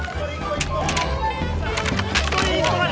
１人１個まで！